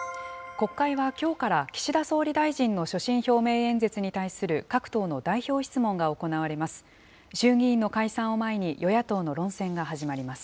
国会はきょうから岸田総理大臣の所信表明演説に対する各党の代表質問が行われます。